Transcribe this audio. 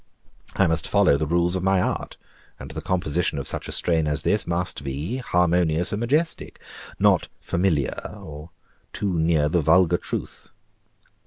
I must follow the rules of my art, and the composition of such a strain as this must be harmonious and majestic, not familiar, or too near the vulgar truth.